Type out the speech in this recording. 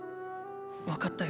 わかったよ。